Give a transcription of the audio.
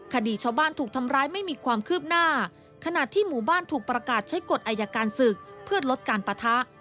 คดีชาวบ้านถูกทำร้ายไม่มีความคืบหน้าขณะที่หมู่บ้านถูกประกาศใช้กฎอายการศึกเพื่อลดการปะทะ